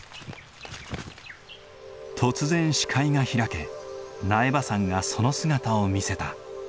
突然視界が開け苗場山がその姿を見せた。